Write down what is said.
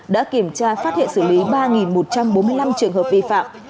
đã kiểm tra phát hiện xử lý ba một trăm bốn mươi năm trường hợp vi phạm